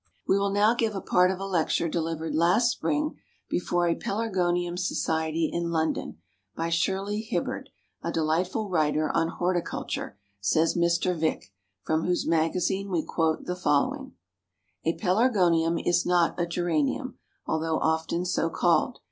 _ We will now give a part of a lecture delivered last spring before a Pelargonium Society in London, by Shirley Hibberd, a delightful writer on Horticulture, says Mr. Vick, from whose magazine we quote the following: "A Pelargonium is not a Geranium, although often so called.